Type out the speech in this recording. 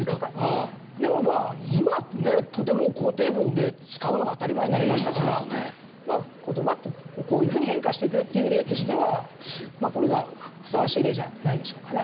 でもまあ今はね「とても」を肯定文で使うのが当たり前になりましたから言葉っていうのはこういうふうに変化していくよっていう例としてはまあこれがふさわしい例じゃないでしょうかね？